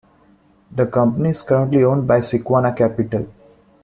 The company is currently owned by Sequana Capital.